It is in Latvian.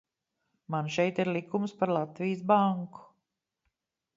Man šeit ir likums par Latvijas Banku.